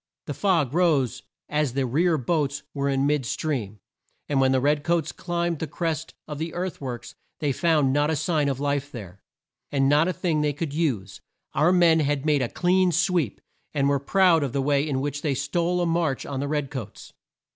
The fog rose as the rear boats were in mid stream, and when the red coats climbed the crest of the earth works they found not a sign of life there, and not a thing they could use. Our men had made a clean sweep, and were proud of the way in which they stole a march on the red coats.